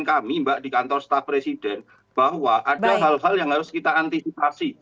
kami mbak di kantor staf presiden bahwa ada hal hal yang harus kita antisipasi